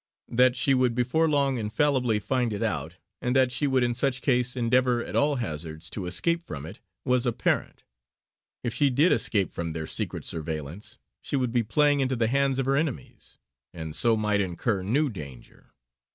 That she would before long infallibly find it out, and that she would in such case endeavour at all hazards to escape from it, was apparent. If she did escape from their secret surveillance, she would be playing into the hands of her enemies; and so might incur new danger.